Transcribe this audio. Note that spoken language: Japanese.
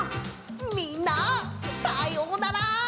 みんなさようなら。